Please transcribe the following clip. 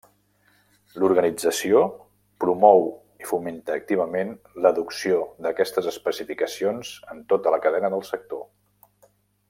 L'organització promou i fomenta activament l'adopció d'aquestes especificacions en tota la cadena del sector.